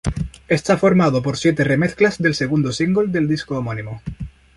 Está formado por siete remezclas del segundo single del disco homónimo.